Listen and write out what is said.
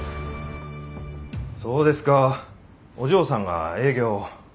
そうですかお嬢さんが営業を。